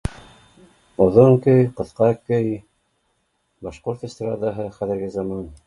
Оҙон көй, ҡыҫҡа көй, башҡорт эстрадаһы хәҙерге заман